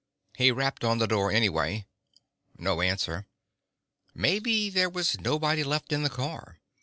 He rapped on the door anyway. No answer. Maybe there was nobody left in the car.